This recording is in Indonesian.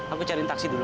aku cari taksi dulu